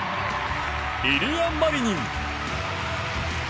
イリア・マリニン。